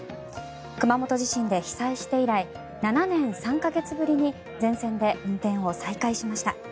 熊本地震で被災して以来７年３か月ぶりに全線で運転を再開しました。